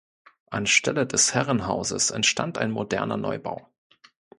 An Stelle des Herrenhauses entstand ein moderner Neubau.